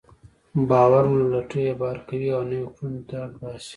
باور مو له لټۍ بهر کوي او نويو کړنو ته اړ باسي.